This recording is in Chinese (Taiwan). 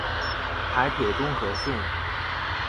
台鐵中和線